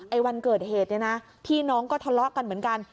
วันเกิดเหตุเนี่ยนะพี่น้องก็ทะเลาะกันเหมือนกัน